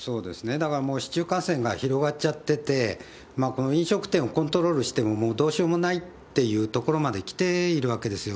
だからもう市中感染が広がっちゃってて、この飲食店をコントロールしても、どうしようもないっていうところまで来ているわけですよ。